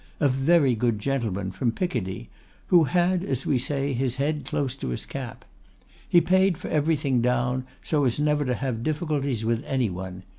A very good gentleman, from Picardy, and who had, as we say, his head close to his cap. He paid for everything down, so as never to have difficulties with any one.